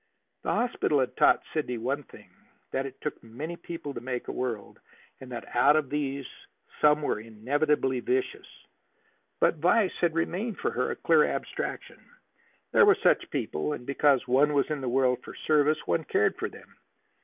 The hospital had taught Sidney one thing: that it took many people to make a world, and that out of these some were inevitably vicious. But vice had remained for her a clear abstraction. There were such people, and because one was in the world for service one cared for them.